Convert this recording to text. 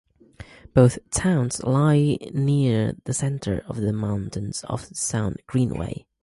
Both towns lie near the center of the Mountains to Sound Greenway.